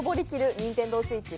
ＮｉｎｔｅｎｄｏＳｗｉｔｃｈ